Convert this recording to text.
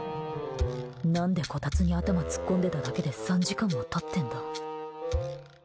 何で、こたつに頭突っ込んでただけで３時間も経ってんだ。